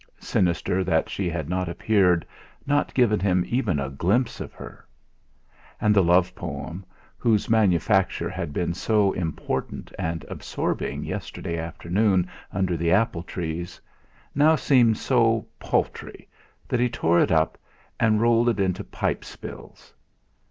Sinister that she had not appeared, not given him even a glimpse of her! And the love poem, whose manufacture had been so important and absorbing yesterday afternoon under the apple trees, now seemed so paltry that he tore it up and rolled it into pipe spills.